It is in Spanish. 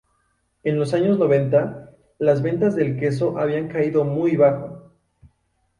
En los años noventa, las ventas del queso habían caído muy bajo.